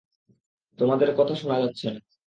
তোমাদের কথা শোনা যাচ্ছে না!